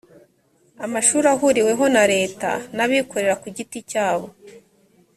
amashuri ahuriweho na leta n’abikorera ku giti cyabo